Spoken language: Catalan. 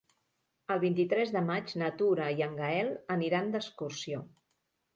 El vint-i-tres de maig na Tura i en Gaël aniran d'excursió.